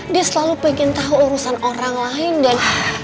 dia selalu pengen tahu urusan orang lain dan